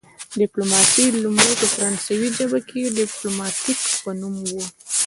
ډیپلوماسي لومړی په فرانسوي ژبه کې د ډیپلوماتیک په نوم وه